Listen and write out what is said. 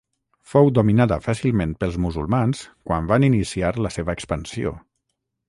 Fou dominada fàcilment pels musulmans quan van iniciar la seva expansió.